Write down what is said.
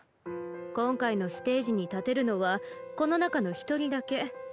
今回のステージに立てるのはこの中の一人だけ。